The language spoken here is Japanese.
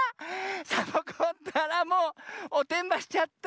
サボ子ったらもうおてんばしちゃった！